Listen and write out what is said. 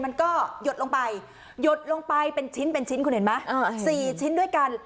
มันก็หยดลงไปหยดลงไปเป็นชิ้นเป็นชิ้นคุณเห็นไหม๔ชิ้นด้วยกัน